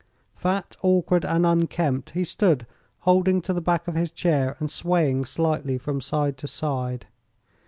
Fat, awkward and unkempt, he stood holding to the back of his chair and swaying slightly from side to side.